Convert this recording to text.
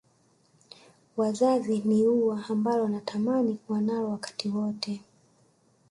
Wazazi ni ua ambalo natamani kuwa nalo wakati wote